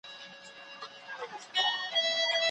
شاګرد د لوړ ږغ سره پاڼه ړنګوي.